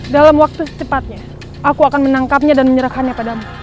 dalam waktu secepatnya aku akan menangkapnya dan menyerahkannya padamu